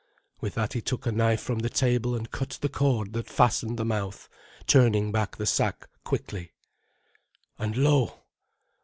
With that he took a knife from the table and cut the cord that fastened the mouth, turning back the sack quickly. And lo!